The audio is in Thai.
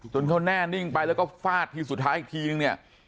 เขาแน่นิ่งไปแล้วก็ฟาดทีสุดท้ายอีกทีนึงเนี่ย